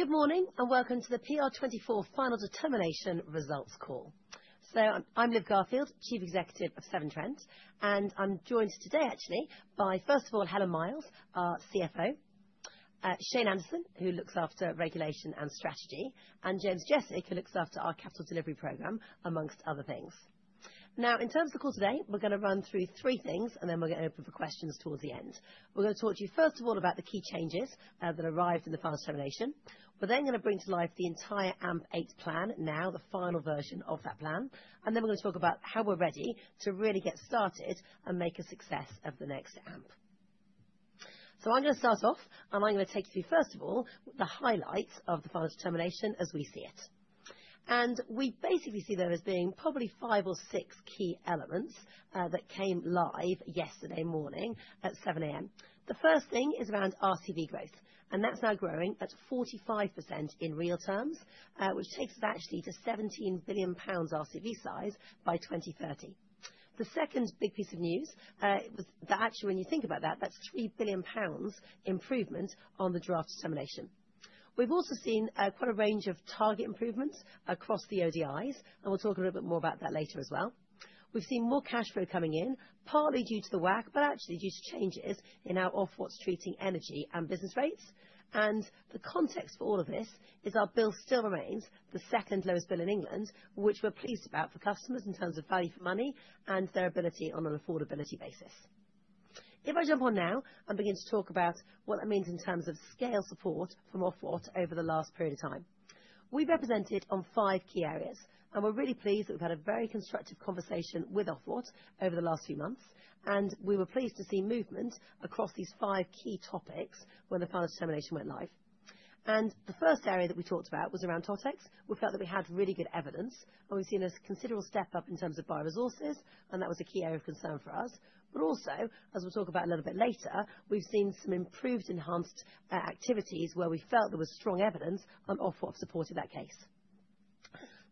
Good morning and welcome to the PR24 Final Determination results call. So I'm Liv Garfield, Chief Executive of Severn Trent, and I'm joined today actually by, first of all, Helen Miles, our CFO, Shane Anderson, who looks after regulation and strategy, and James Jesic, who looks after our capital delivery program, among other things. Now, in terms of the call today, we're going to run through three things, and then we're going to open for questions towards the end. We're going to talk to you, first of all, about the key changes that arrived in the final determination. We're then going to bring to life the entire AMP8 plan, now the final version of that plan. And then we're going to talk about how we're ready to really get started and make a success of the next AMP. So I'm going to start off, and I'm going to take you through, first of all, the highlights of the final determination as we see it. And we basically see them as being probably five or six key elements that came live yesterday morning at 7:00 A.M. The first thing is around RCV growth, and that's now growing at 45% in real terms, which takes us actually to GBP 17 billion RCV size by 2030. The second big piece of news was that actually, when you think about that, that's 3 billion pounds improvement on the draft determination. We've also seen quite a range of target improvements across the ODIs, and we'll talk a little bit more about that later as well. We've seen more cash flow coming in, partly due to the WACC, but actually due to changes in our Ofwat treatment, energy and business rates. The context for all of this is our bill still remains the second lowest bill in England, which we're pleased about for customers in terms of value for money and their ability on an affordability basis. If I jump on now and begin to talk about what that means in terms of scale support from Ofwat over the last period of time, we've represented on five key areas, and we're really pleased that we've had a very constructive conversation with Ofwat over the last few months. We were pleased to see movement across these five key topics when the Final Determination went live. The first area that we talked about was around TOTEX. We felt that we had really good evidence, and we've seen a considerable step up in terms of bioresources, and that was a key area of concern for us. But also, as we'll talk about a little bit later, we've seen some improved, enhanced activities where we felt there was strong evidence on Ofwat support of that case.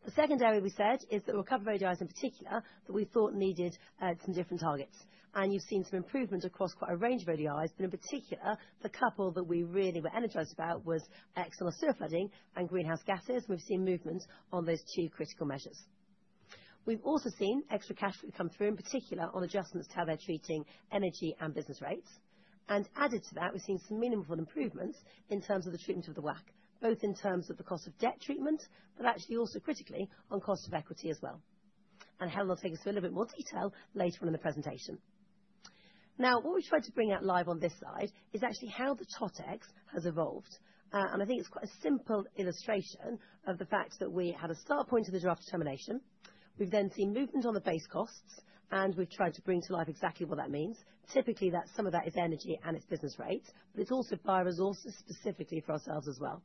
The second area we said is that we're covering ODIs in particular that we thought needed some different targets. And you've seen some improvement across quite a range of ODIs, but in particular, the couple that we really were energized about was external sewer flooding and greenhouse gases, and we've seen movement on those two critical measures. We've also seen extra cash flow come through, in particular on adjustments to how they're treating energy and business rates. And added to that, we've seen some meaningful improvements in terms of the treatment of the WACC, both in terms of the cost of debt treatment, but actually also critically on cost of equity as well. Helen will take us through a little bit more detail later on in the presentation. Now, what we've tried to bring out live on this side is actually how the TOTEX has evolved. I think it's quite a simple illustration of the fact that we had a start point of the draft determination. We've then seen movement on the base costs, and we've tried to bring to life exactly what that means. Typically, some of that is energy and its business rates, but it's also bioresources specifically for ourselves as well.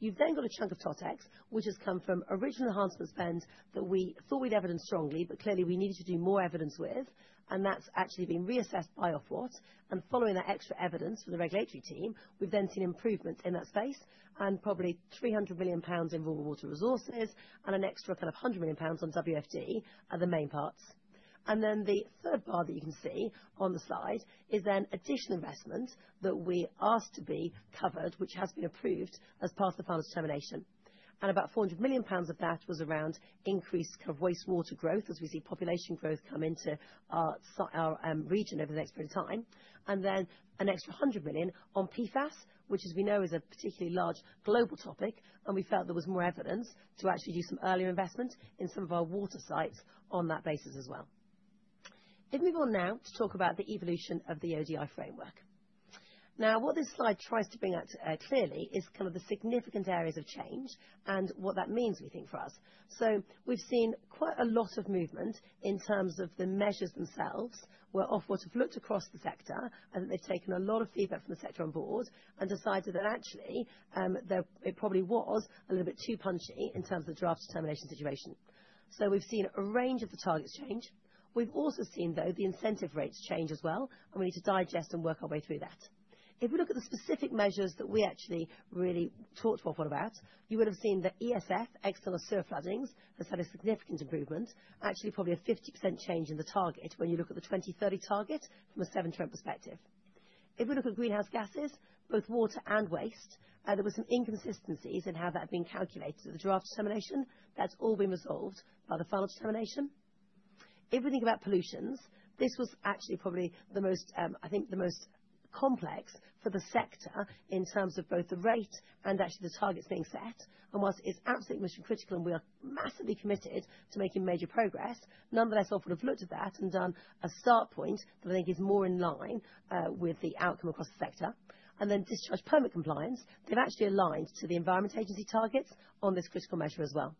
You've then got a chunk of TOTEX which has come from original enhancement spend that we thought we'd evidence strongly, but clearly we needed to do more evidence with, and that's actually been reassessed by Ofwat and following that extra evidence from the regulatory team. We've then seen improvement in that space and probably 300 million pounds in vulnerable water resources and an extra kind of 100 million pounds on WFD are the main parts. And then the third bar that you can see on the slide is then additional investment that we asked to be covered, which has been approved as part of the final determination. And about 400 million pounds of that was around increased kind of wastewater growth as we see population growth come into our region over the next period of time. And then an extra 100 million on PFAS, which, as we know, is a particularly large global topic, and we felt there was more evidence to actually do some earlier investment in some of our water sites on that basis as well. If we move on now to talk about the evolution of the ODI framework. Now, what this slide tries to bring out clearly is kind of the significant areas of change and what that means, we think, for us. So we've seen quite a lot of movement in terms of the measures themselves, where Ofwat have looked across the sector and they've taken a lot of feedback from the sector on board and decided that actually it probably was a little bit too punchy in terms of the Draft Determination situation. So we've seen a range of the targets change. We've also seen, though, the incentive rates change as well, and we need to digest and work our way through that. If we look at the specific measures that we actually really talked to Ofwat about, you would have seen that ESF, external sewer floodings, has had a significant improvement, actually probably a 50% change in the target when you look at the 2030 target from a Severn Trent perspective. If we look at greenhouse gases, both water and waste, there were some inconsistencies in how that had been calculated at the draft determination. That's all been resolved by the final determination. If we think about pollutions, this was actually probably the most, I think, the most complex for the sector in terms of both the rate and actually the targets being set, and whilst it's absolutely mission-critical and we are massively committed to making major progress, nonetheless, Ofwat have looked at that and done a start point that we think is more in line with the outcome across the sector. And then discharge permit compliance, they've actually aligned to the Environment Agency targets on this critical measure as well.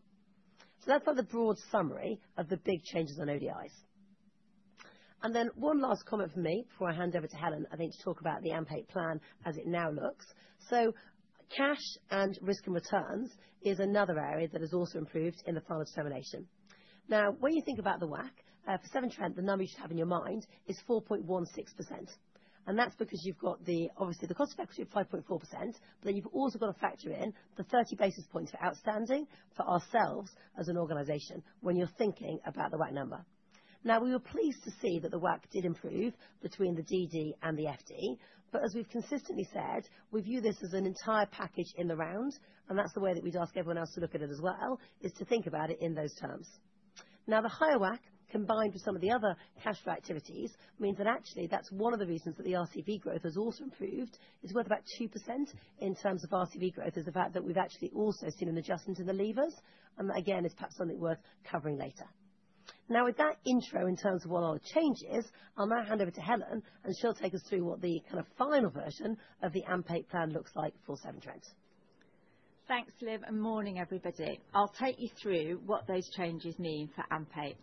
So that's quite the broad summary of the big changes on ODIs. And then one last comment from me before I hand over to Helen, I think, to talk about the AMP8 plan as it now looks. So cash and risk and returns is another area that has also improved in the final determination. Now, when you think about the WACC for Severn Trent, the number you should have in your mind is 4.16%. And that's because you've got the, obviously, the cost of equity of 5.4%, but then you've also got to factor in the 30 basis points of outperformance for ourselves as an organization when you're thinking about the WACC number. Now, we were pleased to see that the WACC did improve between the DD and the FD, but as we've consistently said, we view this as an entire package in the round, and that's the way that we'd ask everyone else to look at it as well, is to think about it in those terms. Now, the higher WACC, combined with some of the other cash flow activities, means that actually that's one of the reasons that the RCV growth has also improved, is worth about 2% in terms of RCV growth, is the fact that we've actually also seen an adjustment in the levers, and that again is perhaps something worth covering later. Now, with that intro in terms of what our change is, I'll now hand over to Helen, and she'll take us through what the kind of final version of the AMP8 plan looks like for Severn Trent. Thanks, Liv. Good morning, everybody. I'll take you through what those changes mean for AMP8.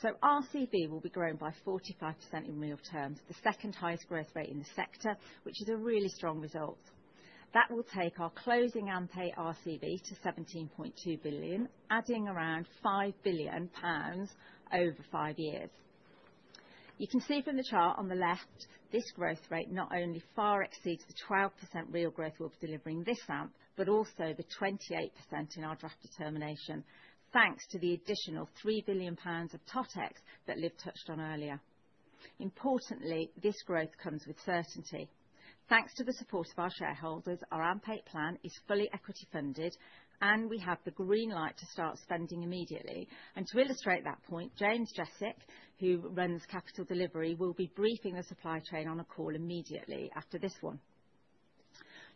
So RCV will be growing by 45% in real terms, the second highest growth rate in the sector, which is a really strong result. That will take our closing AMP8 RCV to 17.2 billion, adding around 5 billion pounds over five years. You can see from the chart on the left, this growth rate not only far exceeds the 12% real growth we'll be delivering this AMP, but also the 28% in our draft determination, thanks to the additional 3 billion pounds of TOTEX that Liv touched on earlier. Importantly, this growth comes with certainty. Thanks to the support of our shareholders, our AMP8 plan is fully equity-funded, and we have the green light to start spending immediately. To illustrate that point, James Jesic, who runs capital delivery, will be briefing the supply chain on a call immediately after this one.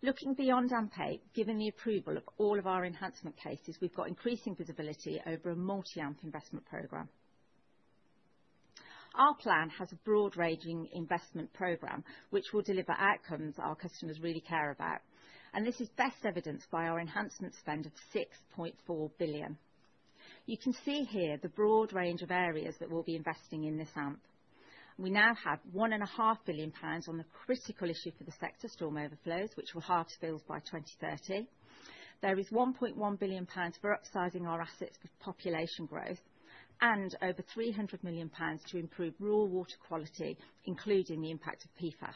Looking beyond AMP8, given the approval of all of our enhancement cases, we've got increasing visibility over a multi-AMP investment program. Our plan has a broad-ranging investment program which will deliver outcomes our customers really care about. This is best evidenced by our enhancement spend of 6.4 billion. You can see here the broad range of areas that we'll be investing in this AMP. We now have 1.5 billion pounds on the critical issue for the sector, storm overflows, which will halve those spills by 2030. There is 1.1 billion pounds for upsizing our assets for population growth and over 300 million pounds to improve rural water quality, including the impact of PFAS.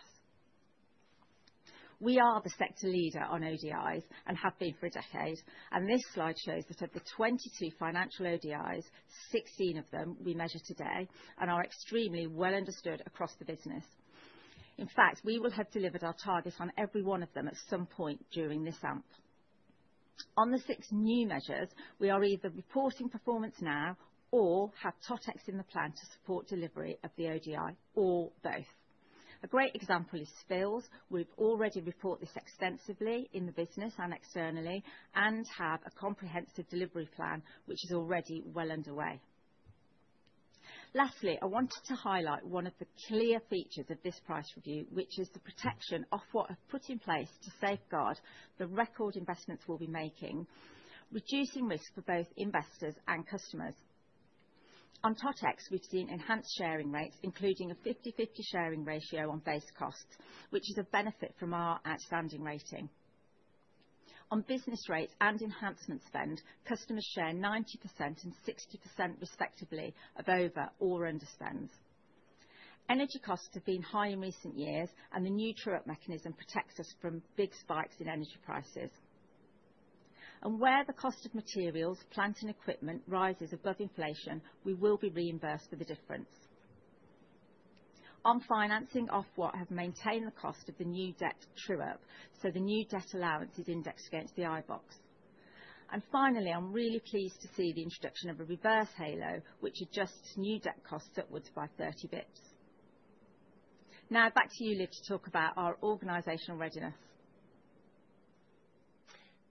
We are the sector leader on ODIs and have been for a decade. And this slide shows that of the 22 financial ODIs, 16 of them we measure today and are extremely well understood across the business. In fact, we will have delivered our targets on every one of them at some point during this AMP. On the six new measures, we are either reporting performance now or have TOTEX in the plan to support delivery of the ODI, or both. A great example is spills. We've already reported this extensively in the business and externally and have a comprehensive delivery plan which is already well underway. Lastly, I wanted to highlight one of the clear features of this price review, which is the protection Ofwat have put in place to safeguard the record investments we'll be making, reducing risk for both investors and customers. On TOTEX, we've seen enhanced sharing rates, including a 50/50 sharing ratio on base costs, which is a benefit from our outstanding rating. On business rates and enhancement spend, customers share 90% and 60% respectively of over or under spends. Energy costs have been high in recent years, and the new true-up mechanism protects us from big spikes in energy prices. And where the cost of materials, plant and equipment rises above inflation, we will be reimbursed for the difference. On financing, Ofwat have maintained the cost of the new debt true-up, so the new debt allowance is indexed against the iBoxx. And finally, I'm really pleased to see the introduction of a reverse halo, which adjusts new debt costs upwards by 30 basis points. Now, back to you, Liv, to talk about our organizational readiness.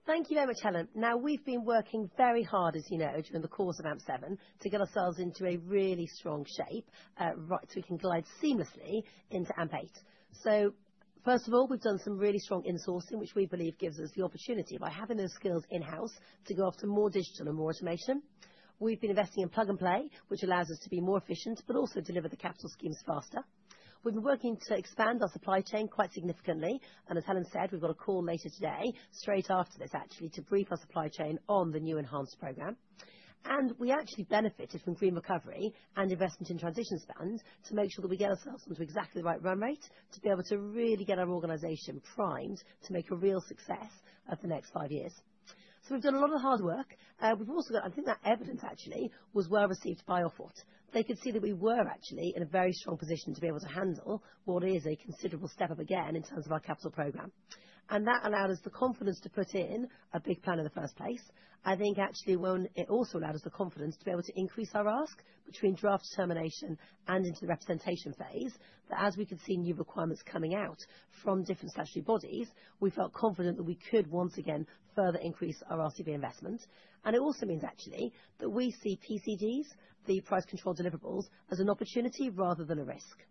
Thank you very much, Helen. Now, we've been working very hard, as you know, during the course of AMP7 to get ourselves into a really strong shape so we can glide seamlessly into AMP8, so first of all, we've done some really strong insourcing, which we believe gives us the opportunity by having those skills in-house to go after more digital and more automation. We've been investing in plug and play, which allows us to be more efficient, but also deliver the capital schemes faster. We've been working to expand our supply chain quite significantly, and as Helen said, we've got a call later today, straight after this actually, to brief our supply chain on the new enhanced program. We actually benefited from Green Recovery and investment in transition spend to make sure that we get ourselves onto exactly the right run rate to be able to really get our organization primed to make a real success over the next five years. So we've done a lot of hard work. We've also got, I think that evidence actually was well received by Ofwat that they could see that we were actually in a very strong position to be able to handle what is a considerable step up again in terms of our capital program. And that allowed us the confidence to put in a big plan in the first place. I think actually it also allowed us the confidence to be able to increase our ask between Draft Determination and into the representation phase, that as we could see new requirements coming out from different statutory bodies, we felt confident that we could once again further increase our RCV investment, and it also means actually that we see PCDs, the price control deliverables, as an opportunity rather than a risk.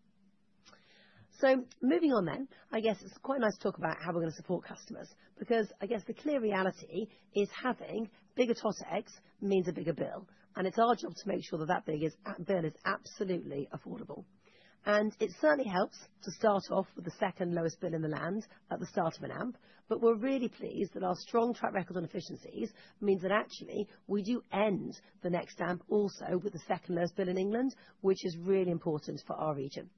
Moving on then, I guess it's quite nice to talk about how we're going to support customers because I guess the clear reality is having bigger TOTEX means a bigger bill, and it's our job to make sure that that bill is absolutely affordable. And it certainly helps to start off with the second lowest bill in the land at the start of an AMP, but we're really pleased that our strong track record on efficiencies means that actually we do end the next AMP also with the second lowest bill in England, which is really important for our region.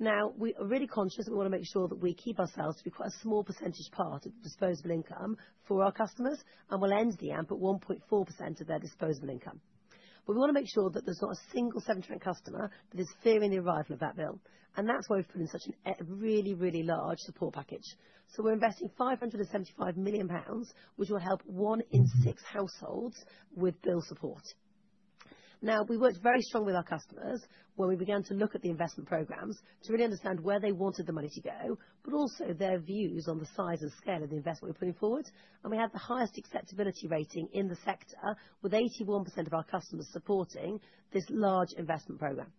Now, we are really conscious that we want to make sure that we keep ourselves to be quite a small percentage part of the disposable income for our customers, and we'll end the AMP at 1.4% of their disposable income. But we want to make sure that there's not a single Severn Trent customer that is fearing the arrival of that bill. And that's why we've put in such a really, really large support package. So we're investing 575 million pounds, which will help one in six households with bill support. Now, we worked very strongly with our customers when we began to look at the investment programs to really understand where they wanted the money to go, but also their views on the size and scale of the investment we're putting forward. And we had the highest acceptability rating in the sector with 81% of our customers supporting this large investment program.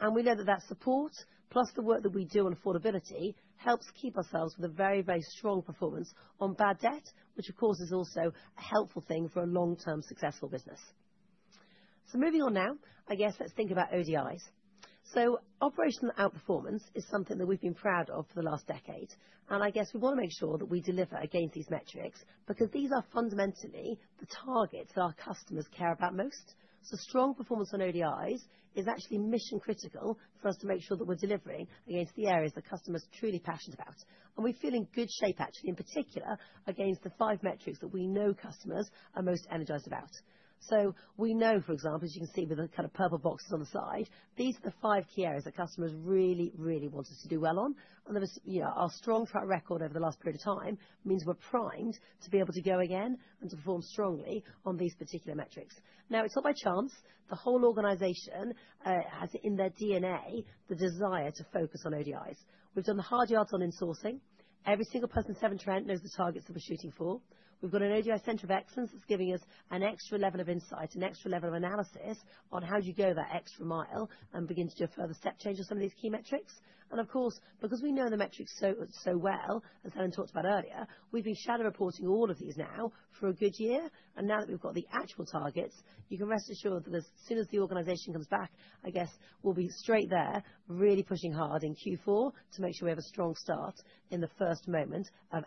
And we know that that support, plus the work that we do on affordability, helps keep ourselves with a very, very strong performance on bad debt, which of course is also a helpful thing for a long-term successful business. So moving on now, I guess let's think about ODIs. So operational outperformance is something that we've been proud of for the last decade. I guess we want to make sure that we deliver against these metrics because these are fundamentally the targets that our customers care about most. Strong performance on ODIs is actually mission-critical for us to make sure that we're delivering against the areas that customers are truly passionate about. We're in good shape actually, in particular, against the five metrics that we know customers are most energized about. We know, for example, as you can see with the kind of purple boxes on the side, these are the five key areas that customers really, really want us to do well on. Our strong track record over the last period of time means we're primed to be able to go again and to perform strongly on these particular metrics. Now, it's not by chance the whole organization has in their DNA the desire to focus on ODIs. We've done the hard yards on insourcing. Every single person in Severn Trent knows the targets that we're shooting for. We've got an ODI Centre of Excellence that's giving us an extra level of insight, an extra level of analysis on how do you go that extra mile and begin to do a further step change on some of these key metrics, and of course, because we know the metrics so well as Helen talked about earlier, we've been shadow reporting all of these now for a good year. Now that we've got the actual targets, you can rest assured that as soon as the organization comes back, I guess we'll be straight there really pushing hard in Q4 to make sure we have a strong start in the first moment of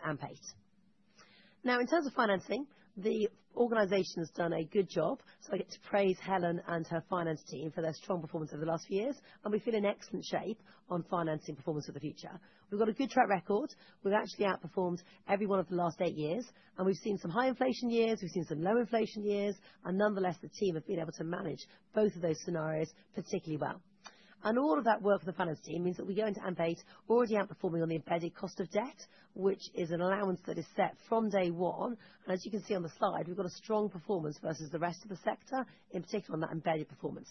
AMP8. In terms of financing, the organization has done a good job, so I get to praise Helen and her finance team for their strong performance over the last few years, and we feel in excellent shape on financing performance for the future. We've got a good track record. We've actually outperformed every one of the last eight years, and we've seen some high inflation years. We've seen some low inflation years, and nonetheless, the team have been able to manage both of those scenarios particularly well. All of that work with the finance team means that we go into AMP8 already outperforming on the embedded cost of debt, which is an allowance that is set from day one. As you can see on the slide, we've got a strong performance versus the rest of the sector, in particular on that embedded performance.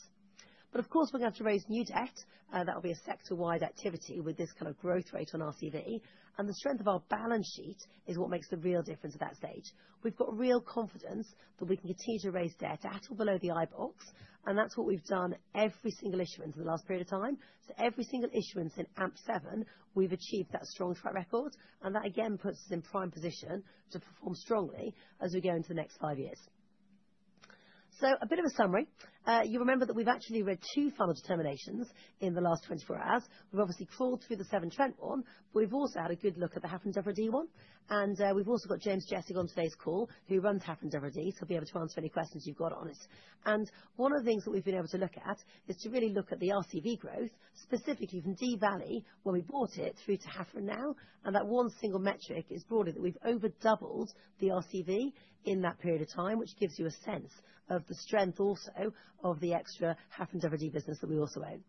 But of course, we're going to have to raise new debt. That will be a sector-wide activity with this kind of growth rate on RCV. The strength of our balance sheet is what makes the real difference at that stage. We've got real confidence that we can continue to raise debt at or below the iBoxx. That's what we've done every single issuance in the last period of time. Every single issuance in AMP7, we've achieved that strong track record. And that again puts us in prime position to perform strongly as we go into the next five years. So a bit of a summary. You remember that we've actually read two final determinations in the last 24 hours. We've obviously crawled through the Severn Trent one, but we've also had a good look at the Hafren Dyfrdwy one. And we've also got James Jesic on today's call, who runs Hafren Dyfrdwy, so he'll be able to answer any questions you've got on it. And one of the things that we've been able to look at is to really look at the RCV growth, specifically from Dee Valley when we bought it through to Hafren Dyfrdwy now. And that one single metric is broadly that we've overdoubled the RCV in that period of time, which gives you a sense of the strength also of the extra Hafren Dyfrdwy business that we also own.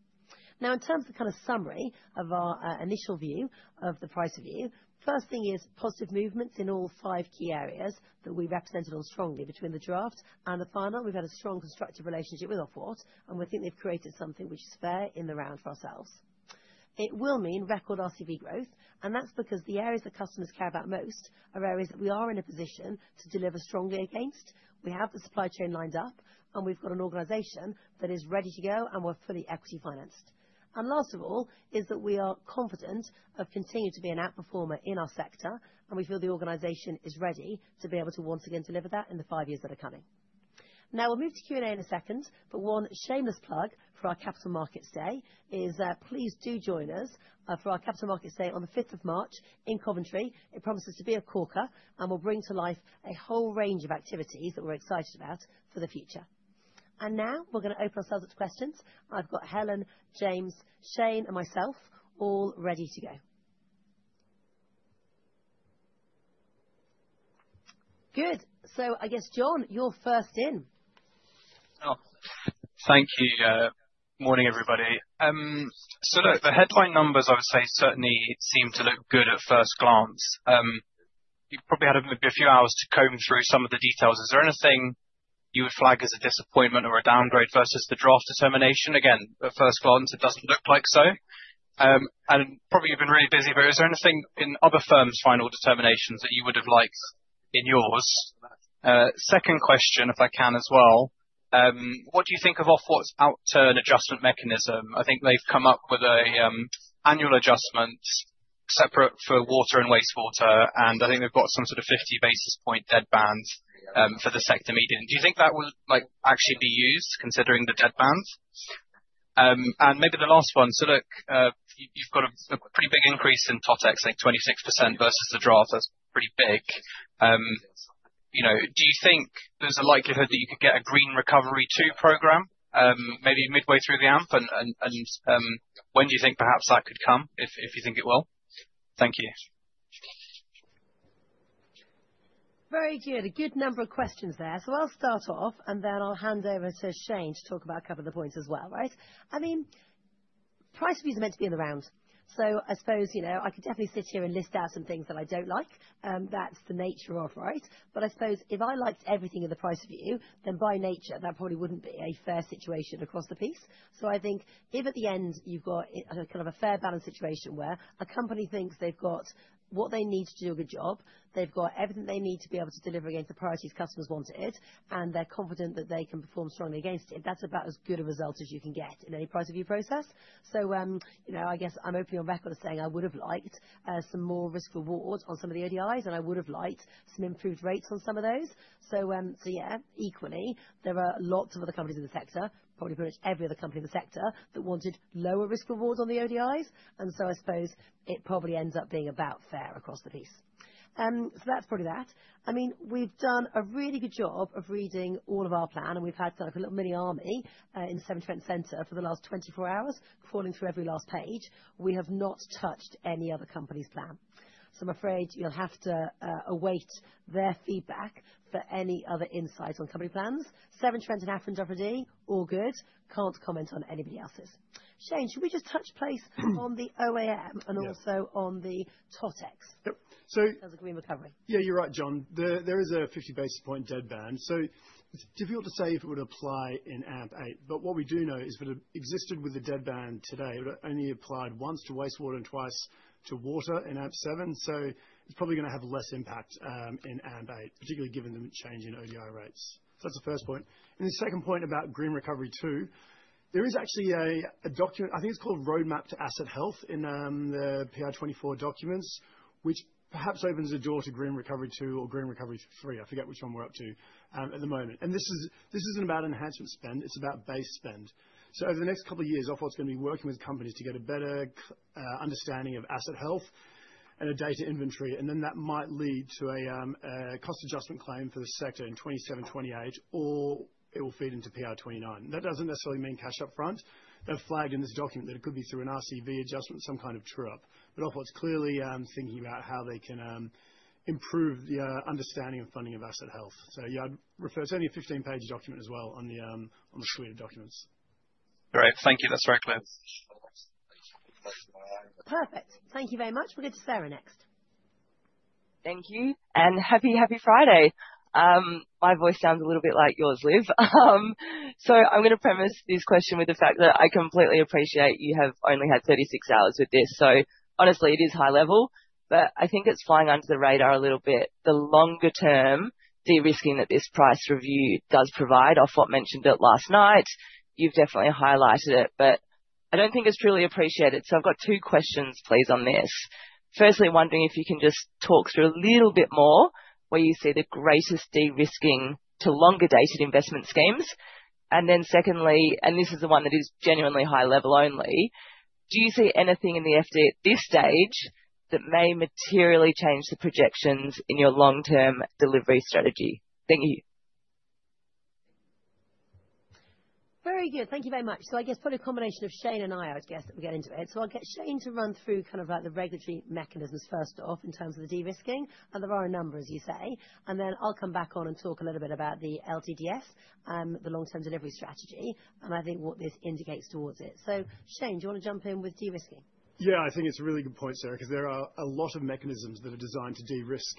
Now, in terms of the kind of summary of our initial view of the price review, first thing is positive movements in all five key areas that we represented on strongly between the draft and the final. We've had a strong constructive relationship with Ofwat and we think they've created something which is fair in the round for ourselves. It will mean record RCV growth. And that's because the areas that customers care about most are areas that we are in a position to deliver strongly against. We have the supply chain lined up and we've got an organization that is ready to go and we're fully equity-financed. And last of all is that we are confident of continuing to be an outperformer in our sector and we feel the organization is ready to be able to once again deliver that in the five years that are coming. Now, we'll move to Q&A in a second. But one shameless plug for our Capital Markets Day is please do join us for our Capital Markets Day on the 5th of March in Coventry. It promises to be a corker and will bring to life a whole range of activities that we're excited about for the future. And now we're going to open ourselves up to questions. I've got Helen, James, Shane, and myself all ready to go. Good. So I guess, John, you're first in. Thank you. Morning, everybody. So look, the headline numbers, I would say, certainly seem to look good at first glance. You've probably had maybe a few hours to comb through some of the details. Is there anything you would flag as a disappointment or a downgrade versus the Draft Determination? Again, at first glance, it doesn't look like so. And probably you've been really busy, but is there anything in other firms' Final Determinations that you would have liked in yours? Second question, if I can as well. What do you think of Ofwat's Outturn Adjustment Mechanism? I think they've come up with an annual adjustment separate for water and wastewater. And I think they've got some sort of 50 basis point dead band for the sector median. Do you think that would actually be used considering the dead band? And maybe the last one. So look, you've got a pretty big increase in TOTEX, like 26% versus the draft. That's pretty big. Do you think there's a likelihood that you could get a Green Recovery program maybe midway through the AMP? And when do you think perhaps that could come if you think it will? Thank you. Very good. A good number of questions there. So I'll start off and then I'll hand over to Shane to talk about a couple of the points as well, right? I mean, price reviews are meant to be in the round. So I suppose I could definitely sit here and list out some things that I don't like. That's the nature of, right? But I suppose if I liked everything in the price review, then by nature, that probably wouldn't be a fair situation across the piece. So I think if at the end you've got a kind of a fair balance situation where a company thinks they've got what they need to do a good job, they've got everything they need to be able to deliver against the priorities customers wanted, and they're confident that they can perform strongly against it, that's about as good a result as you can get in any price review process. So I guess I'm opening on record as saying I would have liked some more risk-reward on some of the ODIs and I would have liked some improved rates on some of those. So yeah, equally, there are lots of other companies in the sector, probably pretty much every other company in the sector that wanted lower risk-reward on the ODIs. And so I suppose it probably ends up being about fair across the piece. So that's probably that. I mean, we've done a really good job of reading all of our plan and we've had kind of a little mini army in Severn Trent Centre for the last 24 hours crawling through every last page. We have not touched any other company's plan, so I'm afraid you'll have to await their feedback for any other insights on company plans. Severn Trent and Hafren Dyfrdwy, all good. Can't comment on anybody else's. Shane, should we just touch base on the OAM and also on the TOTEX? Yep. So. Sounds like Green Recovery. Yeah, you're right, John. There is a 50 basis point dead band. So it's difficult to say if it would apply in AMP8. But what we do know is if it existed with a dead band today, it would have only applied once to wastewater and twice to water in AMP7. So it's probably going to have less impact in AMP8, particularly given the change in ODI rates. So that's the first point. And the second point about Green Recovery too, there is actually a document, I think it's called Roadmap to Asset Health in the PR24 documents, which perhaps opens a door to Green Recovery 2 or Green Recovery 3. I forget which one we're up to at the moment. And this isn't about enhancement spend. It's about base spend. So over the next couple of years, Ofwat's going to be working with companies to get a better understanding of asset health and a data inventory. And then that might lead to a cost adjustment claim for the sector in 2027, 2028, or it will feed into PR29. That doesn't necessarily mean cash upfront. They've flagged in this document that it could be through an RCV adjustment, some kind of true-up. But Ofwat's clearly thinking about how they can improve the understanding of funding of asset health. So yeah, I'd refer to any 15-page document as well on the suite of documents. All right. Thank you. That's very clear. Perfect. Thank you very much. We'll go to Sarah next. Thank you. And happy, happy Friday. My voice sounds a little bit like yours, Liv. So I'm going to premise this question with the fact that I completely appreciate you have only had 36 hours with this. So honestly, it is high level, but I think it's flying under the radar a little bit. The longer-term de-risking that this price review does provide, Ofwat mentioned it last night. You've definitely highlighted it, but I don't think it's truly appreciated. So I've got two questions, please, on this. Firstly, wondering if you can just talk through a little bit more where you see the greatest de-risking to longer-dated investment schemes. And then secondly, and this is the one that is genuinely high level only, do you see anything in the FD at this stage that may materially change the projections in your long-term delivery strategy? Thank you. Very good. Thank you very much. So I guess, but a combination of Shane and I, I would guess, that we'll get into it. So I'll get Shane to run through kind of the regulatory mechanisms first off in terms of the de-risking. And there are a number, as you say. And then I'll come back on and talk a little bit about the LTDF, the long-term delivery strategy, and I think what this indicates towards it. So Shane, do you want to jump in with de-risking? Yeah, I think it's a really good point, Sarah, because there are a lot of mechanisms that are designed to de-risk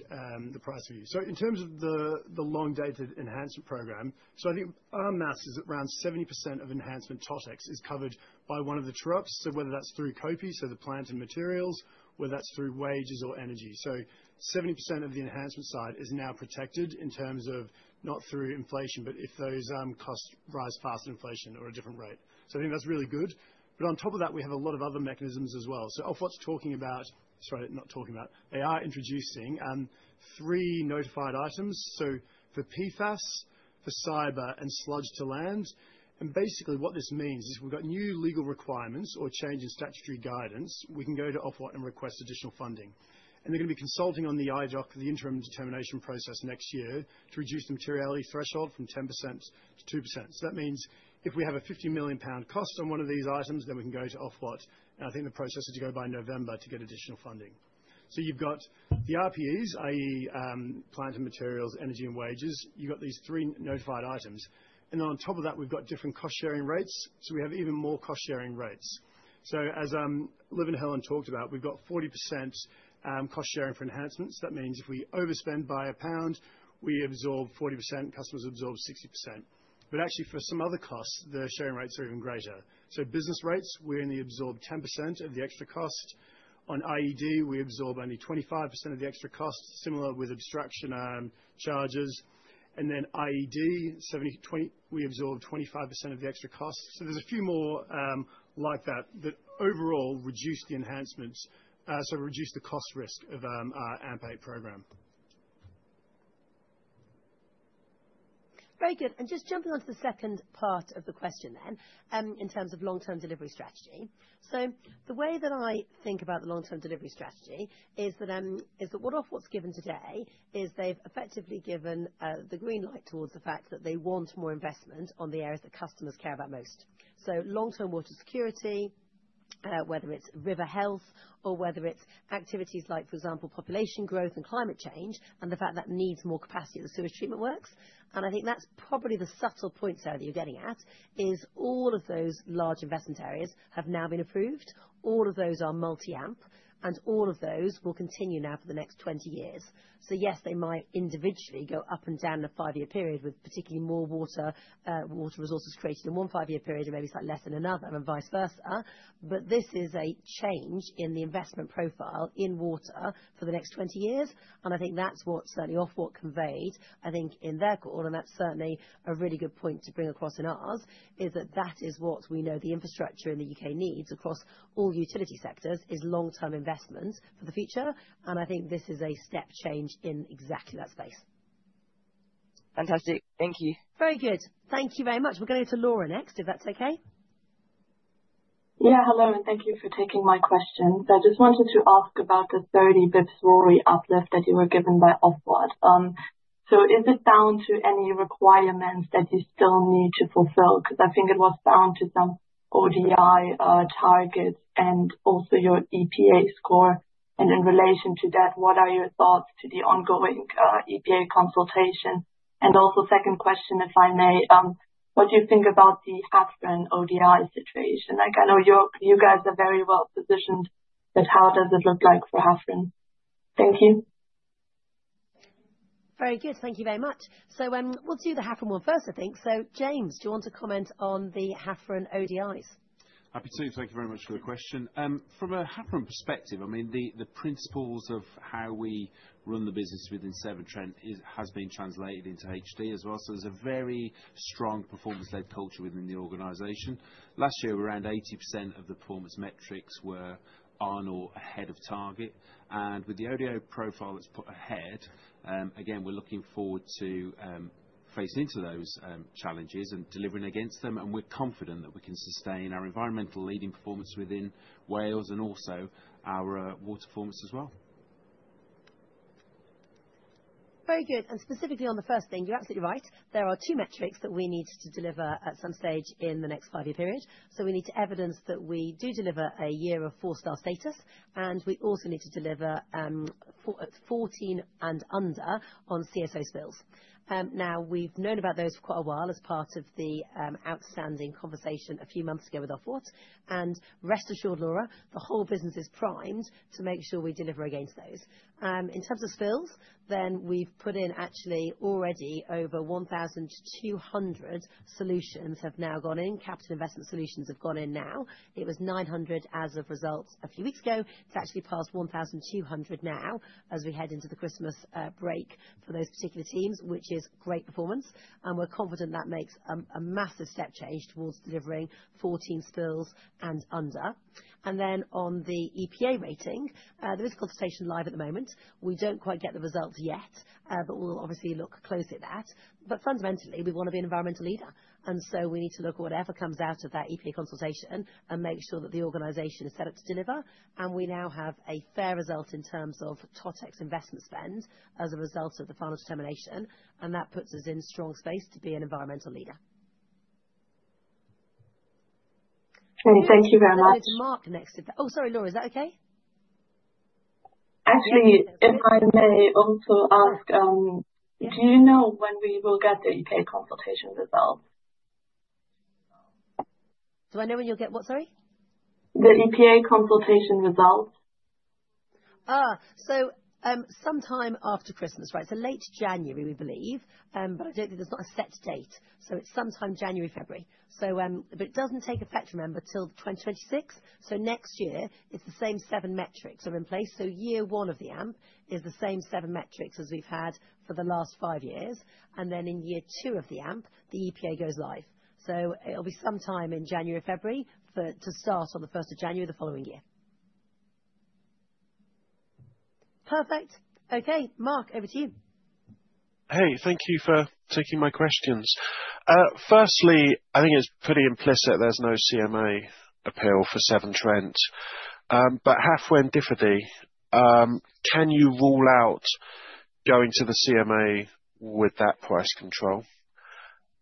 the price review. So in terms of the long-dated enhancement program, so I think our maths is around 70% of enhancement TOTEX is covered by one of the true-ups. So whether that's through PAYG, so the plant and materials, whether that's through wages or energy. So 70% of the enhancement side is now protected in terms of not through inflation, but if those costs rise faster than inflation or a different rate. So I think that's really good. But on top of that, we have a lot of other mechanisms as well. So Ofwat's talking about, sorry, not talking about, they are introducing three notified items. So for PFAS, for cyber, and sludge to land. Basically what this means is we've got new legal requirements or change in statutory guidance. We can go to Ofwat and request additional funding. They're going to be consulting on the IDoK, the interim determination process next year to reduce the materiality threshold from 10% to 2%. That means if we have a 50 million pound cost on one of these items, then we can go to Ofwat and I think the process is to go by November to get additional funding. You've got the RPEs, i.e., plant and materials, energy, and wages. You've got these three notified items. Then on top of that, we've got different cost-sharing rates. We have even more cost-sharing rates. As Liv and Helen talked about, we've got 40% cost-sharing for enhancements. That means if we overspend by a pound, we absorb 40%. Customers absorb 60%. But actually for some other costs, the sharing rates are even greater. So business rates, we only absorb 10% of the extra cost. On IED, we absorb only 25% of the extra cost. Similar with abstraction charges. And then IED, we absorb 25% of the extra cost. So there's a few more like that that overall reduce the enhancements. So reduce the cost risk of our AMP8 program. Very good. And just jumping onto the second part of the question then in terms of long-term delivery strategy. So the way that I think about the long-term delivery strategy is that what Ofwat's given today is they've effectively given the green light towards the fact that they want more investment on the areas that customers care about most. So long-term water security, whether it's river health or whether it's activities like, for example, population growth and climate change and the fact that needs more capacity at the sewage treatment works. And I think that's probably the subtle point, Sarah, that you're getting at is all of those large investment areas have now been approved. All of those are multi-AMP and all of those will continue now for the next 20 years. So yes, they might individually go up and down in a five-year period with particularly more water resources created in one five-year period and maybe slightly less in another and vice versa. But this is a change in the investment profile in water for the next 20 years. And I think that's what certainly Ofwat conveyed, I think, in their call. And that's certainly a really good point to bring across in ours is that that is what we know the infrastructure in the U.K. needs across all utility sectors is long-term investment for the future. And I think this is a step change in exactly that space. Fantastic. Thank you. Very good. Thank you very much. We're going to go to Laura next, if that's okay. Yeah, hello and thank you for taking my question. So I just wanted to ask about the 30 basis points RoRE uplift that you were given by Ofwat on. So is it bound to any requirements that you still need to fulfill? Because I think it was bound to some ODI targets and also your EPA score. And in relation to that, what are your thoughts to the ongoing EPA consultation? And also second question, if I may, what do you think about the Hafren ODI situation? I know you guys are very well positioned, but how does it look like for Hafren? Thank you. Very good. Thank you very much. So we'll do the Hafren one first, I think. So James, do you want to comment on the Hafren ODIs? Happy to. Thank you very much for the question. From a Hafren perspective, I mean, the principles of how we run the business within Severn Trent has been translated into HD as well. So there's a very strong performance-led culture within the organization. Last year, around 80% of the performance metrics were on or ahead of target, and with the ODI profile that's put ahead, again, we're looking forward to facing into those challenges and delivering against them, and we're confident that we can sustain our environmental leading performance within Wales and also our water performance as well. Very good. And specifically on the first thing, you're absolutely right. There are two metrics that we need to deliver at some stage in the next five-year period. So we need to evidence that we do deliver a year of four-star status. And we also need to deliver 14 and under on CSO spills. Now, we've known about those for quite a while as part of the outstanding conversation a few months ago with Ofwat and rest assured, Laura, the whole business is primed to make sure we deliver against those. In terms of spills, then we've put in actually already over 1,200 solutions have now gone in. Capital investment solutions have gone in now. It was 900 as of results a few weeks ago. It's actually past 1,200 now as we head into the Christmas break for those particular teams, which is great performance. We're confident that makes a massive step change towards delivering 14 spills and under. Then on the EPA rating, there is a consultation live at the moment. We don't quite get the results yet, but we'll obviously look closely at that. Fundamentally, we want to be an environmental leader. So we need to look at whatever comes out of that EPA consultation and make sure that the organization is set up to deliver. We now have a fair result in terms of TOTEX investment spend as a result of the final determination. That puts us in strong space to be an environmental leader. Thank you very much. I'll go to Mark next if that. Oh, sorry, Laura, is that okay? Actually, if I may also ask, do you know when we will get the EPA consultation results? Do I know when you'll get what, sorry? The EPA consultation results? So sometime after Christmas, right? So late January, we believe. But I don't think there's not a set date. So it's sometime January, February. But it doesn't take effect, remember, till 2026. So next year, it's the same seven metrics are in place. So year one of the AMP is the same seven metrics as we've had for the last five years. And then in year two of the AMP, the EPA goes live. So it'll be sometime in January, February to start on the 1st of January the following year. Perfect. Okay. Mark, over to you. Hey, thank you for taking my questions. Firstly, I think it's pretty implicit there's no CMA appeal for Severn Trent. But Hafren Dyfrdwy, can you rule out going to the CMA with that price control?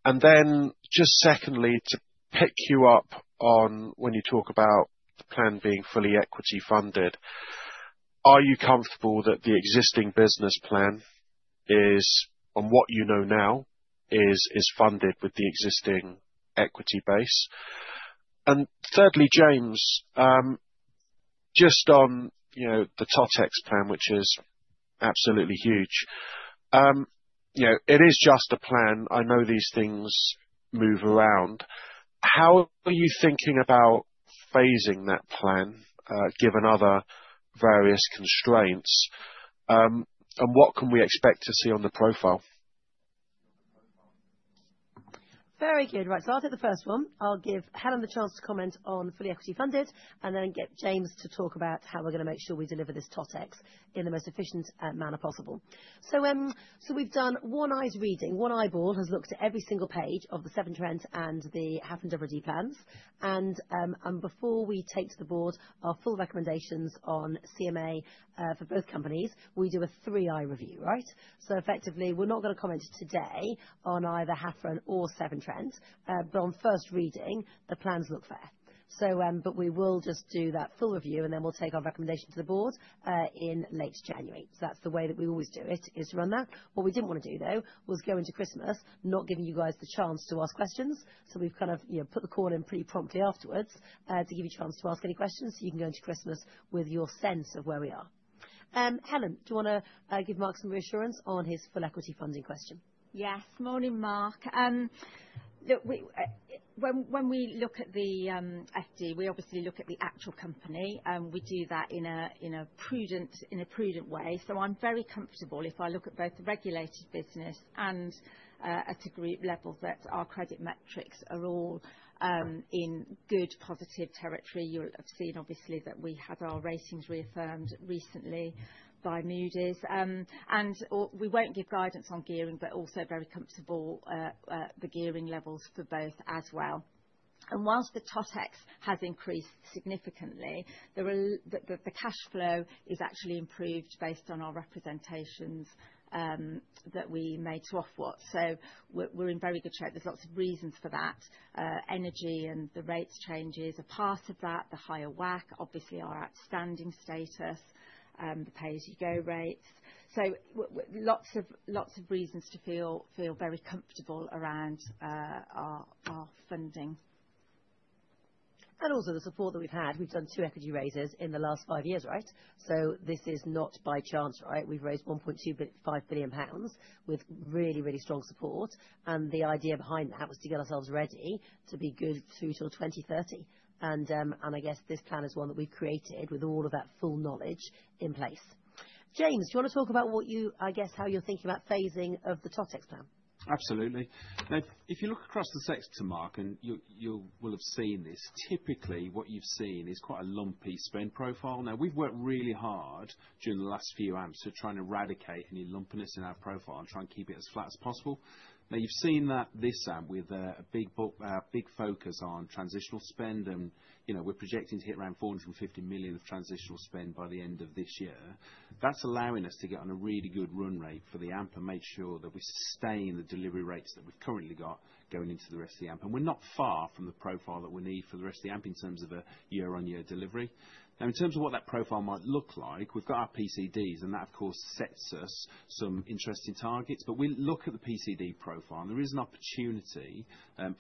And then just secondly, to pick you up on when you talk about the plan being fully equity funded, are you comfortable that the existing business plan is, on what you know now, is funded with the existing equity base? And thirdly, James, just on the TOTEX plan, which is absolutely huge, it is just a plan. I know these things move around. How are you thinking about phasing that plan given other various constraints? And what can we expect to see on the profile? Very good. Right, so I'll take the first one. I'll give Helen the chance to comment on fully equity funded and then get James to talk about how we're going to make sure we deliver this TOTEX in the most efficient manner possible. We've done one-eyed reading. One eyeball has looked at every single page of the Severn Trent and the Hafren Dyfrdwy plans. Before we take to the board our full recommendations on CMA for both companies, we do a three-eye review, right? Effectively, we're not going to comment today on either Hafren or Severn Trent. On first reading, the plans look fair. We will just do that full review and then we'll take our recommendation to the board in late January. That's the way that we always do it, is to run that. What we didn't want to do, though, was go into Christmas not giving you guys the chance to ask questions. So we've kind of put the call in pretty promptly afterwards to give you a chance to ask any questions so you can go into Christmas with your sense of where we are. Helen, do you want to give Mark some reassurance on his full equity funding question? Yes. Morning, Mark. When we look at the FD, we obviously look at the actual company. We do that in a prudent way. So I'm very comfortable if I look at both the regulated business and at a group level that our credit metrics are all in good positive territory. You'll have seen, obviously, that we had our ratings reaffirmed recently by Moody's. And we won't give guidance on gearing, but also very comfortable the gearing levels for both as well. And whilst the TOTEX has increased significantly, the cash flow is actually improved based on our representations that we made to Ofwat so we're in very good shape. There's lots of reasons for that. Energy and the rates changes are part of that. The higher WACC, obviously our outstanding status, the pay-as-you-go rates. So lots of reasons to feel very comfortable around our funding. Also the support that we've had. We've done two equity raises in the last five years, right? So this is not by chance, right? We've raised 1.25 billion pounds with really, really strong support. The idea behind that was to get ourselves ready to be good through till 2030. I guess this plan is one that we've created with all of that full knowledge in place. James, do you want to talk about what you, I guess, how you're thinking about phasing of the TOTEX plan? Absolutely. Now, if you look across the sector, Mark, and you will have seen this, typically what you've seen is quite a lumpy spend profile. Now, we've worked really hard during the last few amps to try and eradicate any lumpiness in our profile and try and keep it as flat as possible. Now, you've seen that this am with a big focus on transitional spend, and we're projecting to hit around 450 million of transitional spend by the end of this year. That's allowing us to get on a really good run rate for the amp and make sure that we sustain the delivery rates that we've currently got going into the rest of the amp, and we're not far from the profile that we need for the rest of the amp in terms of a year-on-year delivery. Now, in terms of what that profile might look like, we've got our PCDs and that, of course, sets us some interesting targets, but we look at the PCD profile and there is an opportunity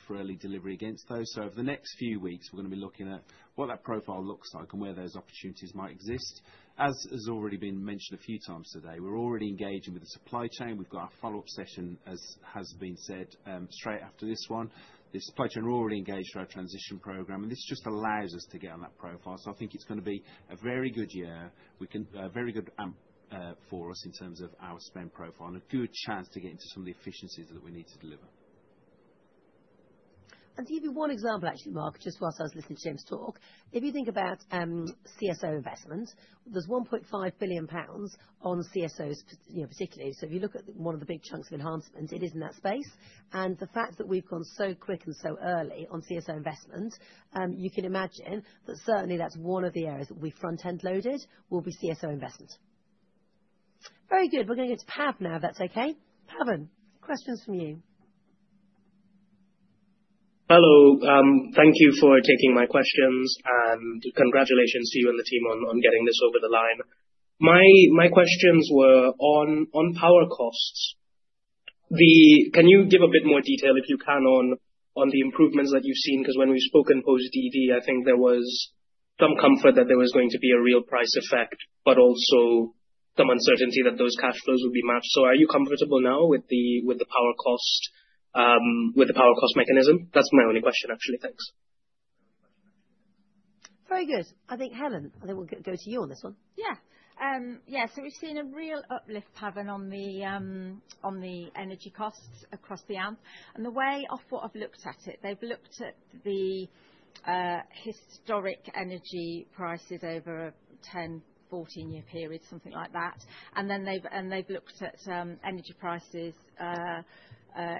for early delivery against those, so over the next few weeks, we're going to be looking at what that profile looks like and where those opportunities might exist. As has already been mentioned a few times today, we're already engaging with the supply chain. We've got our follow-up session, as has been said, straight after this one. The supply chain are already engaged through our transition program, and this just allows us to get on that profile. So I think it's going to be a very good year, a very good AMP for us in terms of our spend profile and a good chance to get into some of the efficiencies that we need to deliver. And to give you one example, actually, Mark, just while I was listening to James talk, if you think about CSO investment, there's 1.5 billion pounds on CSOs particularly. So if you look at one of the big chunks of enhancements, it is in that space. And the fact that we've gone so quick and so early on CSO investment, you can imagine that certainly that's one of the areas that we front-end loaded will be CSO investment. Very good. We're going to go to Pav now, if that's okay. Pavan, questions from you. Hello. Thank you for taking my questions, and congratulations to you and the team on getting this over the line. My questions were on power costs. Can you give a bit more detail, if you can, on the improvements that you've seen? Because when we spoke in post-DD, I think there was some comfort that there was going to be a real price effect, but also some uncertainty that those cash flows would be matched, so are you comfortable now with the power cost mechanism? That's my only question, actually. Thanks. Very good. I think, Helen, I think we'll go to you on this one. Yeah. Yeah. So we've seen a real uplift, Pavan, on the energy costs across the amp. And the way Ofwat have looked at it, they've looked at the historic energy prices over a 10- to 14-year period, something like that. And then they've looked at energy prices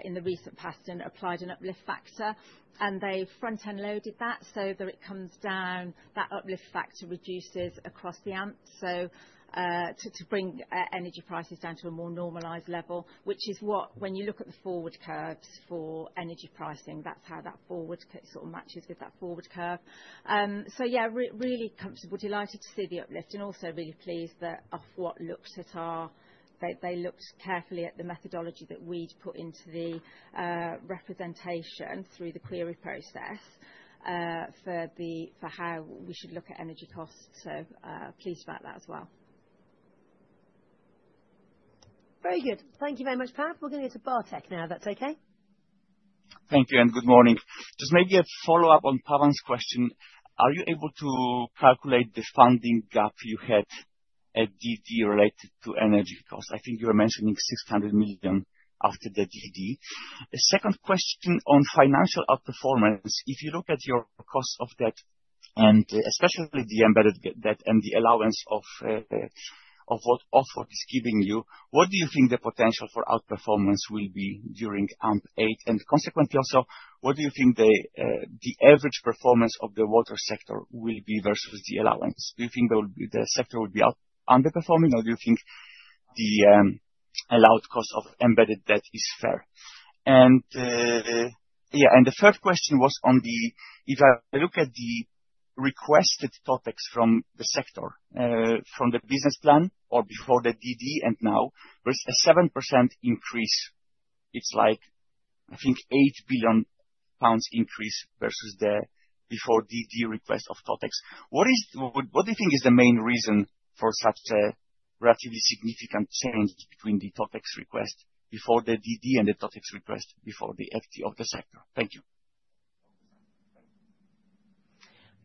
in the recent past and applied an uplift factor. And they've front-end-loaded that so that it comes down, that uplift factor reduces across the amp to bring energy prices down to a more normalized level, which is what, when you look at the forward curves for energy pricing, that's how that forward sort of matches with that forward curve. So yeah, really comfortable, delighted to see the uplift. And also really pleased that Ofwat looked at how they looked carefully at the methodology that we'd put into the representation through the query process for how we should look at energy costs. So pleased about that as well. Very good. Thank you very much, Pav. We're going to go to Bartek now, if that's okay. Thank you and good morning. Just maybe a follow-up on Pavan's question. Are you able to calculate the funding gap you had at DD related to energy costs? I think you were mentioning 600 million after the DD. Second question on financial outperformance. If you look at your cost of debt, and especially the embedded debt and the allowance of what Ofwat is giving you, what do you think the potential for outperformance will be during AMP8? And consequently, also, what do you think the average performance of the water sector will be versus the allowance? Do you think the sector will be underperforming, or do you think the allowed cost of embedded debt is fair? And yeah, and the third question was on the if I look at the requested TOTEX from the sector, from the business plan or before the DD and now, there's a 7% increase. It's like, I think, £8 billion increase versus the before-DD request of TOTEX. What do you think is the main reason for such a relatively significant change between the TOTEX request before the DD and the TOTEX request before the FD of the sector? Thank you.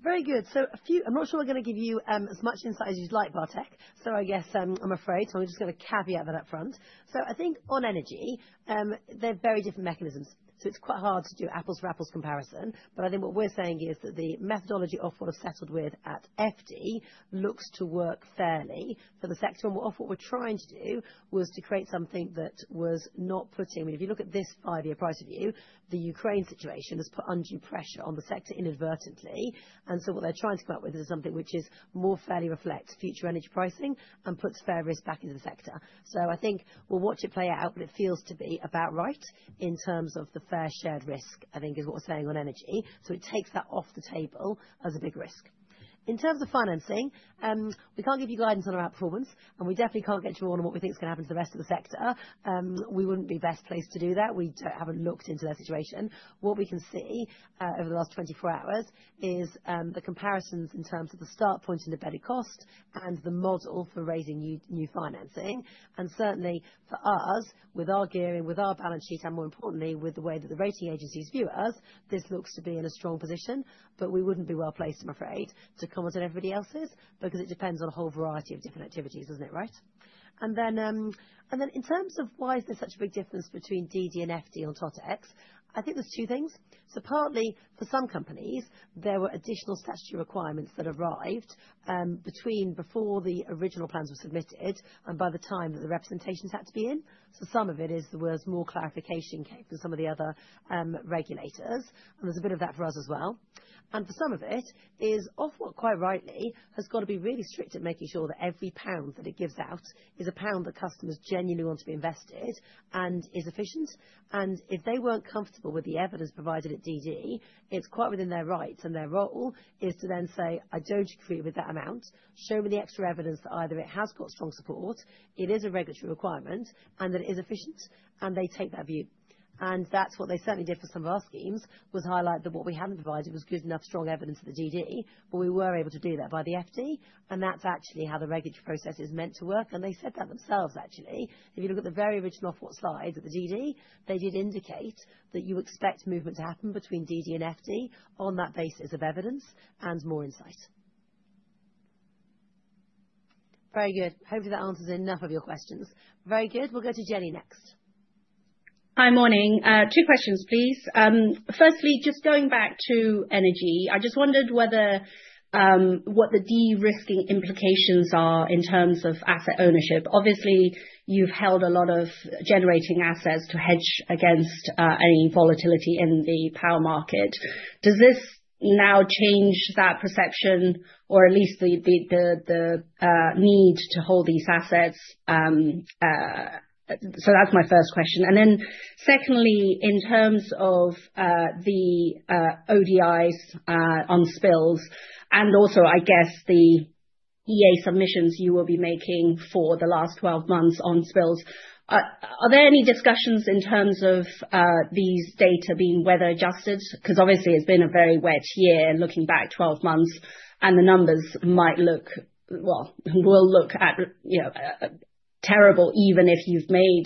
Very good. So I'm not sure we're going to give you as much insight as you'd like, Bartek. So I guess I'm afraid, so I'm just going to caveat that upfront. So I think on energy, they're very different mechanisms. So it's quite hard to do apples-to-apples comparison. But I think what we're saying is that the methodology Ofwat settled with at FD looks to work fairly for the sector. And Ofwat we're trying to do was to create something that was not putting I mean, if you look at this five-year price review, the Ukraine situation has put undue pressure on the sector inadvertently. And so what they're trying to come up with is something which is more fairly reflects future energy pricing and puts fair risk back into the sector. So I think we'll watch it play out, but it feels to be about right in terms of the fair shared risk, I think, is what we're saying on energy. So it takes that off the table as a big risk. In terms of financing, we can't give you guidance on our outperformance. And we definitely can't get you all on what we think is going to happen to the rest of the sector. We wouldn't be best placed to do that. We haven't looked into that situation. What we can see over the last 24 hours is the comparisons in terms of the start point and embedded cost and the model for raising new financing. And certainly, for us, with our gearing, with our balance sheet, and more importantly, with the way that the rating agencies view us, this looks to be in a strong position. But we wouldn't be well placed, I'm afraid, to comment on everybody else's because it depends on a whole variety of different activities, isn't it? Right? And then in terms of why is there such a big difference between DD and FD on TOTEX, I think there's two things. So partly, for some companies, there were additional statutory requirements that arrived before the original plans were submitted and by the time that the representations had to be in. So some of it is there was more clarification came from some of the other regulators. And there's a bit of that for us as well. And for some of it, Ofwat quite rightly has got to be really strict at making sure that every pound that it gives out is a pound that customers genuinely want to be invested and is efficient. If they weren't comfortable with the evidence provided at DD, it's quite within their rights and their role is to then say, "I don't agree with that amount. Show me the extra evidence that either it has got strong support, it is a regulatory requirement, and that it is efficient." And they take that view. And that's what they certainly did for some of our schemes, was highlight that what we hadn't provided was good enough strong evidence at the DD, but we were able to do that by the FD. And that's actually how the regulatory process is meant to work. And they said that themselves, actually. If you look at the very original Ofwat slides at the DD, they did indicate that you expect movement to happen between DD and FD on that basis of evidence and more insight. Very good. Hopefully, that answers enough of your questions. Very good. We'll go to Jenny next. Hi, morning. Two questions, please. Firstly, just going back to energy, I just wondered what the derisking implications are in terms of asset ownership. Obviously, you've held a lot of generating assets to hedge against any volatility in the power market. Does this now change that perception, or at least the need to hold these assets? So that's my first question. And then secondly, in terms of the ODIs on spills and also, I guess, the EA submissions you will be making for the last 12 months on spills, are there any discussions in terms of these data being weather-adjusted? Because obviously, it's been a very wet year looking back 12 months, and the numbers might look, well, will look terrible even if you've made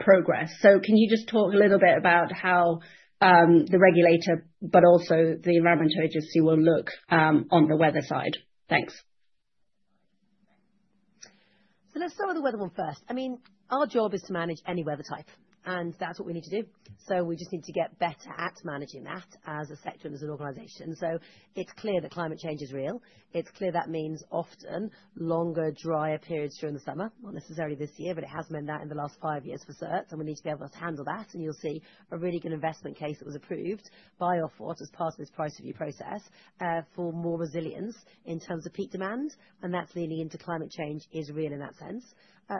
progress. So can you just talk a little bit about how the regulator, but also the Environment Agency will look on the weather side? Thanks. So let's start with the weather one first. I mean, our job is to manage any weather type, and that's what we need to do. So we just need to get better at managing that as a sector and as an organization. So it's clear that climate change is real. It's clear that means often longer, drier periods during the summer, not necessarily this year, but it has meant that in the last five years for certain. And we need to be able to handle that. And you'll see a really good investment case that was approved by Ofwat as part of this price review process for more resilience in terms of peak demand. And that's leaning into climate change is real in that sense.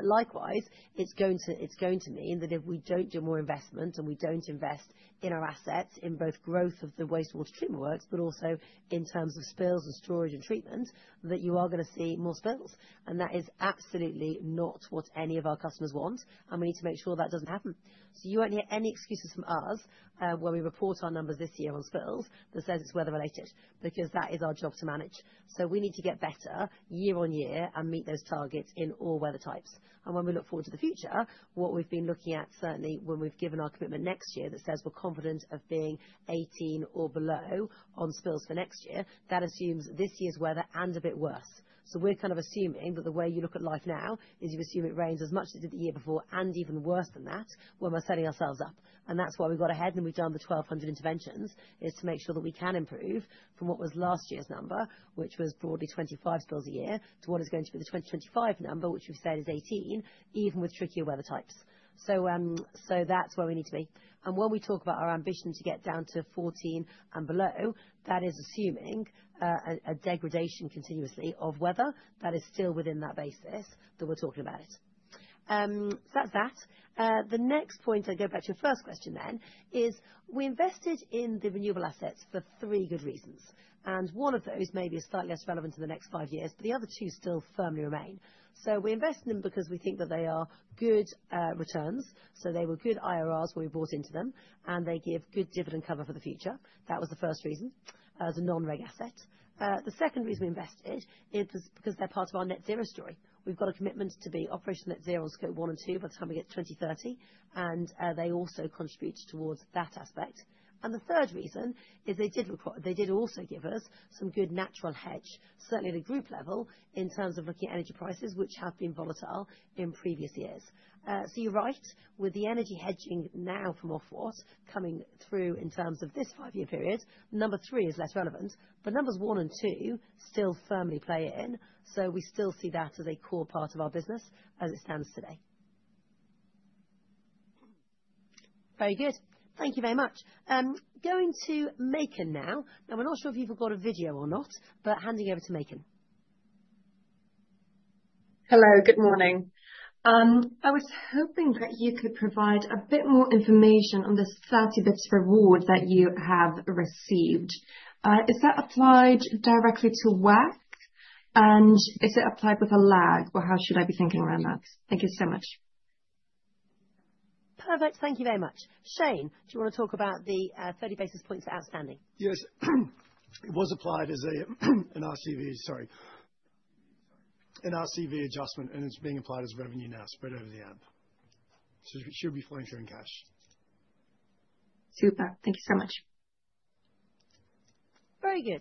Likewise, it's going to mean that if we don't do more investment and we don't invest in our assets in both growth of the wastewater treatment works, but also in terms of spills and storage and treatment, that you are going to see more spills. And that is absolutely not what any of our customers want. And we need to make sure that doesn't happen. So you won't hear any excuses from us when we report our numbers this year on spills that says it's weather-related because that is our job to manage. So we need to get better year on year and meet those targets in all weather types. And when we look forward to the future, what we've been looking at certainly when we've given our commitment next year that says we're confident of being 18 or below on spills for next year, that assumes this year's weather and a bit worse. So we're kind of assuming that the way you look at life now is you assume it rains as much as it did the year before and even worse than that when we're setting ourselves up. And that's why we got ahead and we've done the 1,200 interventions is to make sure that we can improve from what was last year's number, which was broadly 25 spills a year, to what is going to be the 2025 number, which we've said is 18, even with trickier weather types. So that's where we need to be. When we talk about our ambition to get down to 14 and below, that is assuming a degradation continuously of weather that is still within that basis that we're talking about. So that's that. The next point, I go back to your first question then, is we invested in the renewable assets for three good reasons. One of those may be slightly less relevant in the next five years, but the other two still firmly remain. So we invested in them because we think that they are good returns. So they were good IRRs when we bought into them, and they give good dividend cover for the future. That was the first reason as a non-reg asset. The second reason we invested is because they're part of our net zero story. We've got a commitment to be operational net zero on Scope 1 and 2 by the time we get to 2030. And they also contribute towards that aspect. And the third reason is they did also give us some good natural hedge, certainly at a group level, in terms of looking at energy prices, which have been volatile in previous years. So you're right with the energy hedging now from Ofwat coming through in terms of this five-year period. Number three is less relevant, but numbers one and two still firmly play in. So we still see that as a core part of our business as it stands today. Very good. Thank you very much. Going to Maiken now. And we're not sure if you've got a video or not, but handing over to Maiken. Hello, good morning. I was hoping that you could provide a bit more information on this 30 basis points of reward that you have received. Is that applied directly to WACC, and is it applied with a lag, or how should I be thinking around that? Thank you so much. Perfect. Thank you very much. Shane, do you want to talk about the 30 basis points that are outstanding? Yes. It was applied as an RCV, sorry, an RCV adjustment, and it's being applied as revenue now spread over the AMP. So it should be flowing through in cash. Super. Thank you so much. Very good.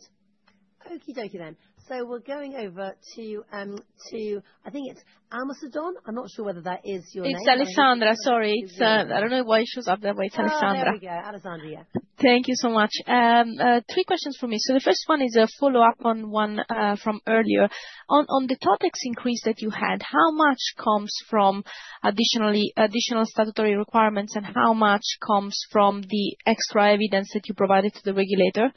Okey-dokey then. So we're going over to, I think it's Alessandra. I'm not sure whether that is your name. It's Alessandra. Sorry. I don't know why she was up there, but it's Alessandra. There we go. Alessandra, yeah. Thank you so much. Three questions for me. So the first one is a follow-up on one from earlier. On the TOTEX increase that you had, how much comes from additional statutory requirements, and how much comes from the extra evidence that you provided to the regulator?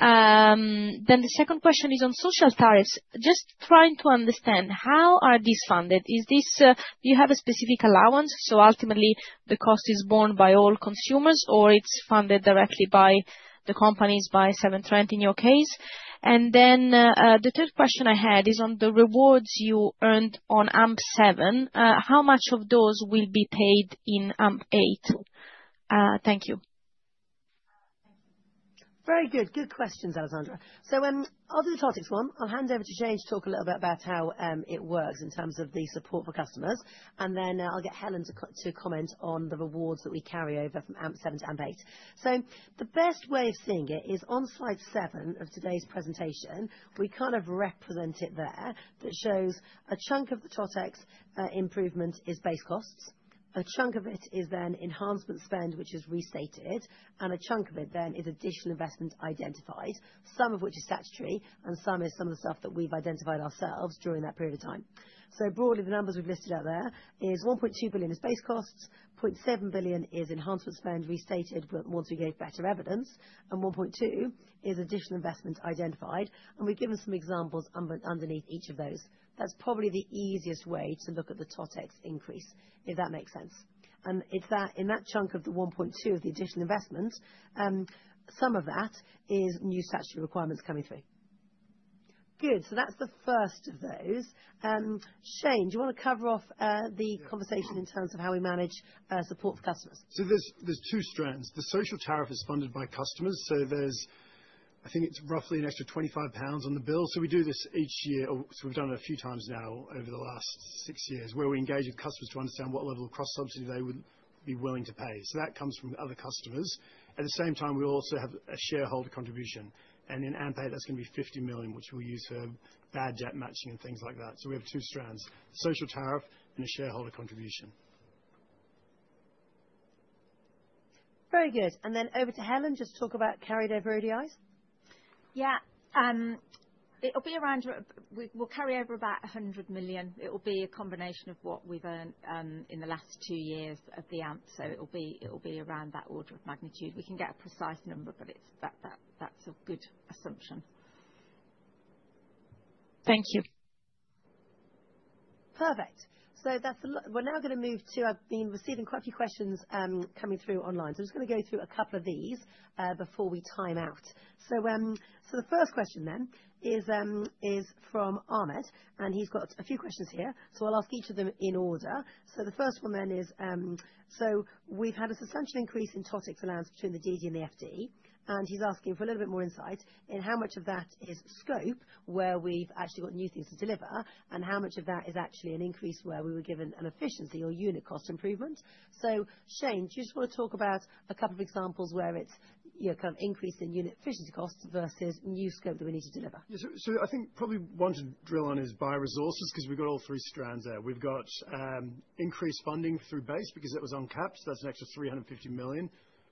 Then the second question is on social tariffs. Just trying to understand, how are these funded? Do you have a specific allowance? So ultimately, the cost is borne by all consumers, or it's funded directly by the companies, by Severn Trent in your case? And then the third question I had is on the rewards you earned on AMP7, how much of those will be paid in AMP8? Thank you. Very good. Good questions, Alessandra. So I'll do the TOTEX one. I'll hand over to Shane to talk a little bit about how it works in terms of the support for customers. And then I'll get Helen to comment on the rewards that we carry over from AMP7 to AMP8. So the best way of seeing it is on slide seven of today's presentation. We kind of represent it there that shows a chunk of the TOTEX improvement is base costs. A chunk of it is then enhancement spend, which is restated, and a chunk of it then is additional investment identified, some of which is statutory, and some is the stuff that we've identified ourselves during that period of time. Broadly, the numbers we've listed out there is 1.2 billion is base costs, 0.7 billion is enhancement spend restated once we gave better evidence, and 1.2 billion is additional investment identified. And we've given some examples underneath each of those. That's probably the easiest way to look at the TOTEX increase, if that makes sense. And in that chunk of the 1.2 billion of the additional investment, some of that is new statutory requirements coming through. Good. So that's the first of those. Shane, do you want to cover off the conversation in terms of how we manage support for customers? So there's two strands. The social tariff is funded by customers. So I think it's roughly an extra 25 pounds on the bill. So we do this each year. So we've done it a few times now over the last six years where we engage with customers to understand what level of cross-subsidy they would be willing to pay. So that comes from other customers. At the same time, we also have a shareholder contribution. And in AMP8, that's going to be 50 million, which we'll use for bad debt matching and things like that. So we have two strands: a social tariff and a shareholder contribution. Very good, and then over to Helen, just talk about carried over ODIs. Yeah. It'll be around, we'll carry over about 100 million. It will be a combination of what we've earned in the last two years of the AMP. So it'll be around that order of magnitude. We can get a precise number, but that's a good assumption. Thank you. Perfect. So we're now going to move to. I've been receiving quite a few questions coming through online. So I'm just going to go through a couple of these before we time out. So the first question then is from Ahmed, and he's got a few questions here. So I'll ask each of them in order. So the first one then is, so we've had a substantial increase in TOTEX allowance between the DD and the FD, and he's asking for a little bit more insight in how much of that is scope where we've actually got new things to deliver, and how much of that is actually an increase where we were given an efficiency or unit cost improvement. So Shane, do you just want to talk about a couple of examples where it's kind of increased in unit efficiency costs versus new scope that we need to deliver? Yeah. So I think probably one to drill on is bioresources because we've got all three strands there. We've got increased funding through base because it was uncapped. That's an extra 350 million.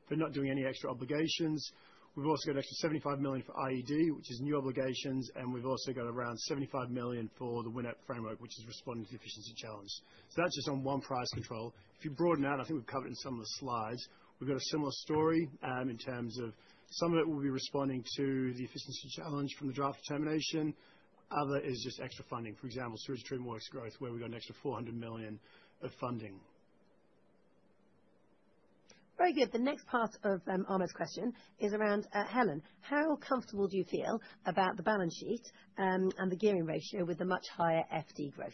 They're not doing any extra obligations. We've also got an extra 75 million for IED, which is new obligations, and we've also got around 75 million for the WINEP framework, which is responding to the efficiency challenge. So that's just on one price control. If you broaden out, and I think we've covered it in some of the slides, we've got a similar story in terms of some of it will be responding to the efficiency challenge from the draft determination. Other is just extra funding, for example, sewage treatment works growth, where we got an extra 400 million of funding. Very good. The next part of Ahmed's question is around, Helen, how comfortable do you feel about the balance sheet and the gearing ratio with the much higher FD growth?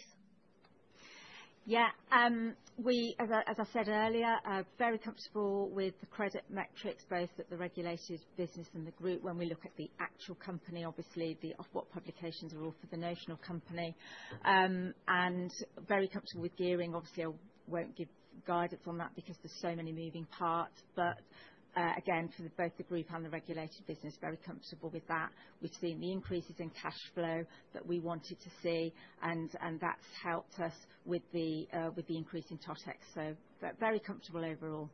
Yeah. As I said earlier, very comfortable with the credit metrics, both at the regulated business and the group. When we look at the actual company, obviously, the Ofwat publications are all for the national company. And very comfortable with gearing. Obviously, I won't give guidance on that because there's so many moving parts. But again, for both the group and the regulated business, very comfortable with that. We've seen the increases in cash flow that we wanted to see, and that's helped us with the increase in TOTEX. So very comfortable overall.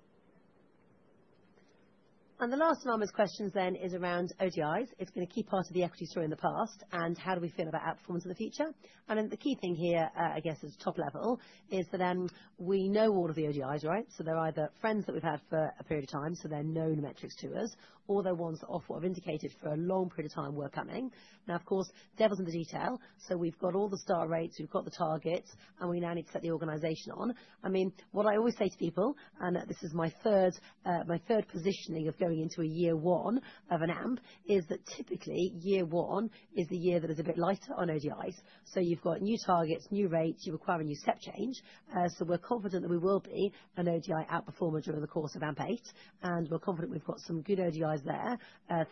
And the last of Ahmed's questions then is around ODIs. It's been a key part of the equity story in the past, and how do we feel about outperformance in the future? And the key thing here, I guess, at top level, is that we know all of the ODIs, right? So they're either friends that we've had for a period of time, so they're known metrics to us, or they're ones that Ofwat have indicated for a long period of time were coming. Now, of course, devil's in the detail. So we've got all the star rates, we've got the targets, and we now need to set the organisation on. I mean, what I always say to people, and this is my third positioning of going into a year one of an AMP, is that typically year one is the year that is a bit lighter on ODIs. So you've got new targets, new rates, you're requiring new step change. We're confident that we will be an ODI outperformer during the course of AMP8. We're confident we've got some good ODIs there,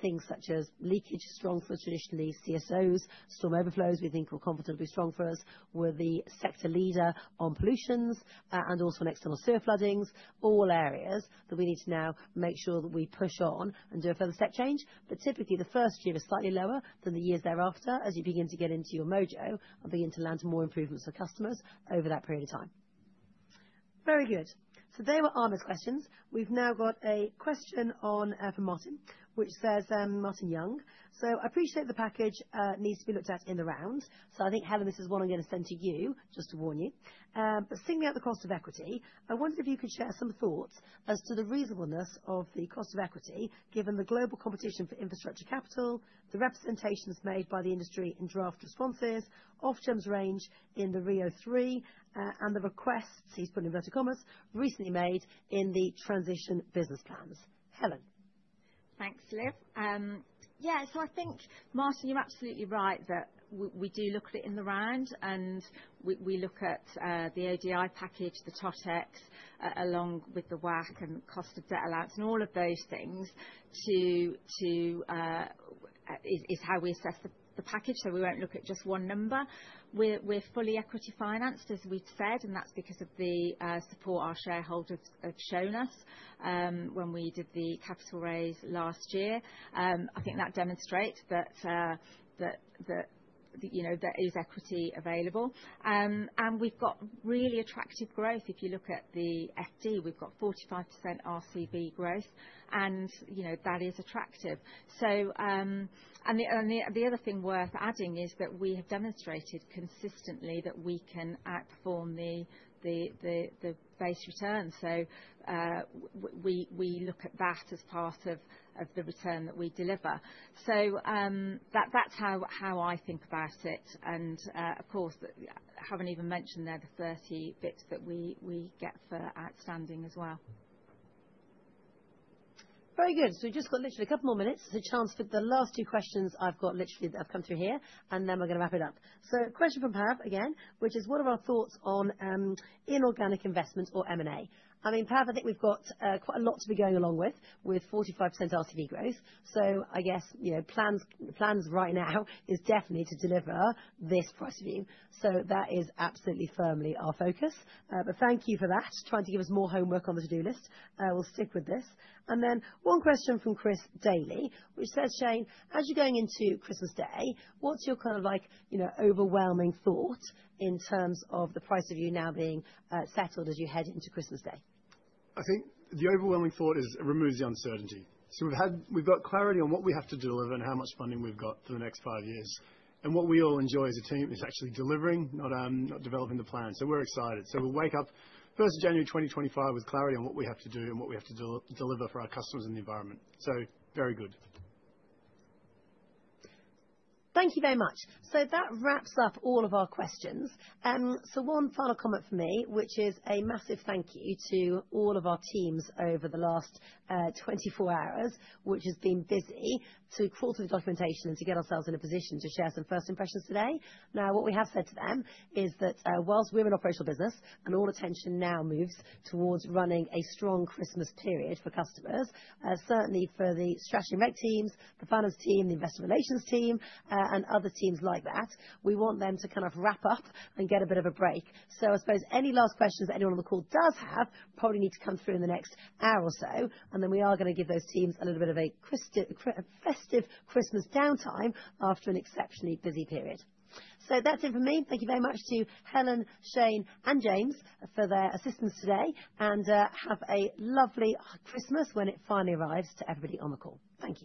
things such as leakage, strong for traditionally CSOs, storm overflows. We think we're confident will be strong for us. We're the sector leader on pollutions, and also on external sewer floodings, all areas that we need to now make sure that we push on and do a further step change. Typically, the first year is slightly lower than the years thereafter as you begin to get into your mojo and begin to land more improvements for customers over that period of time. Very good. So they were Ahmed's questions. We've now got a question from Martin, which says, Martin Young. I appreciate the package needs to be looked at in the round. I think, Helen, this is one I'm going to send to you, just to warn you. But single out the cost of equity. I wondered if you could share some thoughts as to the reasonableness of the cost of equity given the global competition for infrastructure capital, the representations made by the industry in draft responses, Ofgem's range in the RIIO-3, and the requests, he's putting inverted commas, recently made in the transition business plans. Helen. Thanks, Liv. Yeah, so I think, Martin, you're absolutely right that we do look at it in the round, and we look at the ODI package, the TOTEX, along with the WACC and cost of debt allowance, and all of those things is how we assess the package. So we won't look at just one number. We're fully equity financed, as we've said, and that's because of the support our shareholders have shown us when we did the capital raise last year. I think that demonstrates that there is equity available, and we've got really attractive growth. If you look at the FD, we've got 45% RCV growth, and that is attractive. The other thing worth adding is that we have demonstrated consistently that we can outperform the base return. So we look at that as part of the return that we deliver. So that's how I think about it. And of course, I haven't even mentioned there the 30 basis points that we get for outstanding as well. Very good. So we've just got literally a couple more minutes. There's a chance for the last two questions I've got literally that have come through here, and then we're going to wrap it up. Question from Pav, again, which is, what are our thoughts on inorganic investment or M&A? I mean, Pav, I think we've got quite a lot to be going along with, with 45% RCV growth. I guess plans right now is definitely to deliver this PR24. That is absolutely firmly our focus. But thank you for that, trying to give us more homework on the to-do list. We'll stick with this. One question from Chris Daley, which says, Shane, as you're going into Christmas Day, what's your kind of overwhelming thought in terms of the PR24 now being settled as you head into Christmas Day? I think the overwhelming thought is it removes the uncertainty. So we've got clarity on what we have to deliver and how much funding we've got for the next five years. And what we all enjoy as a team is actually delivering, not developing the plan. So we're excited. So we'll wake up 1st of January 2025 with clarity on what we have to do and what we have to deliver for our customers and the environment. So very good. Thank you very much. So that wraps up all of our questions. So one final comment from me, which is a massive thank you to all of our teams over the last 24 hours, which has been busy to collate the documentation and to get ourselves in a position to share some first impressions today. Now, what we have said to them is that while we're in operational business and all attention now moves towards running a strong Christmas period for customers, certainly for the strategy and reg teams, the finance team, the investor relations team, and other teams like that, we want them to kind of wrap up and get a bit of a break. I suppose any last questions that anyone on the call does have probably need to come through in the next hour or so, and then we are going to give those teams a little bit of a festive Christmas downtime after an exceptionally busy period. That's it for me. Thank you very much to Helen, Shane, and James for their assistance today, and have a lovely Christmas when it finally arrives to everybody on the call. Thank you.